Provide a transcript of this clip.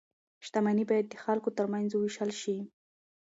شتمني باید د خلکو ترمنځ وویشل شي.